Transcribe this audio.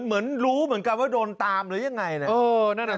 เหมือนรู้เหมือนกันว่าโดนตามหรือยังไงน่ะเออนั่นนั่น